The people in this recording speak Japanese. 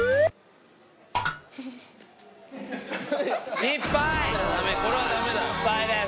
失敗です。